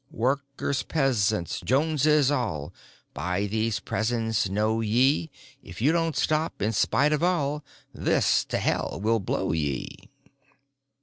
"Workers, Peasants, Joneses all——" "By these presents know ye——" "If you don't stop in spite of all——" "THIS to hell will blow ye!"